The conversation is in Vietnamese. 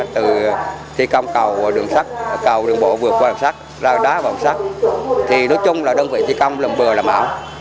thi công cầu đường sắt cầu đường bộ vượt qua đường sắt ra đá vào đường sắt thì đối chung là đơn vị thi công lầm bừa làm ảo